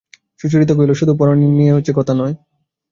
সুচরিতা কহিল, শুধু পড়ানো নিয়ে তো কথা নয়।